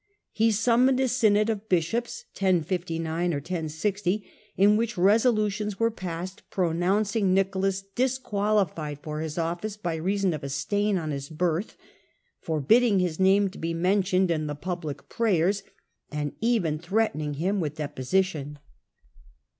He summoned a synod of bishops (1059 or 1060) in which resolutions were passed pro nouncing Nicolas disqualified for his office by reason of a stain on his birth, forbidding his name to be mentioned in the public prayers, and even threatening him with deposition.